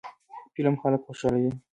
فلم خلک خوشحالوي